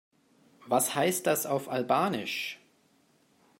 Was heißt das auf Albanisch?